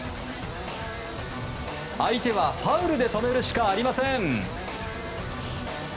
相手はファウルで止めるしかありません。